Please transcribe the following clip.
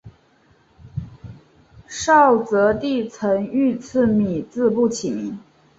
绍治帝曾御赐米字部起名。